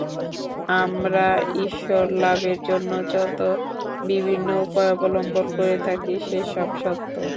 আমরা ঈশ্বরলাভের জন্য যত বিভিন্ন উপায় অবলম্বন করে থাকি, সে সব সত্য।